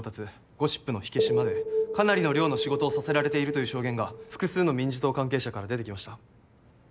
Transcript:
ゴシップの火消しまでかなりの量の仕事をさせられているという証言が複数の民自党関係者から出てきました。